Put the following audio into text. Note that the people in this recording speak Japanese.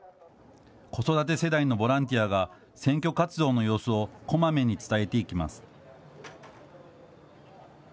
子育て世代のボランティアが選挙活動の様子をこまめに伝えていきます。